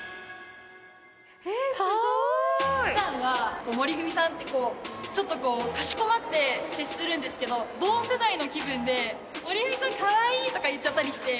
普段は「森富美さん」ってこうちょっとかしこまって接するんですけど同世代の気分で。とか言っちゃったりして。